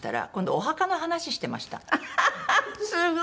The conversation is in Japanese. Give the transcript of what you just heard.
お墓の話してました。